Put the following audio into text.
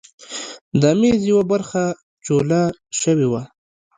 د میز یوه برخه چوله شوې وه.